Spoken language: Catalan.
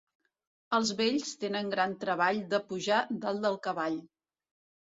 Els vells tenen gran treball de pujar dalt del cavall.